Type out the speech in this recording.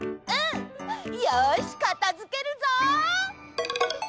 よしかたづけるぞ！